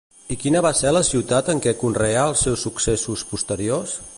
I quina va ser la ciutat en què conreà els seus successos posteriors?